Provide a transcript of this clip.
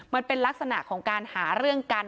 มันเป็นลักษณะของการหาเรื่องกัน